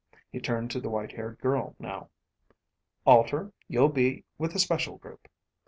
He turned to the white haired girl now. "Alter, you'll be with the special group."